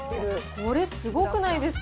これ、すごくないですか？